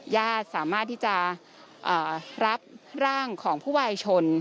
ญาติสามารถที่จะรับร่างของผู้วายชน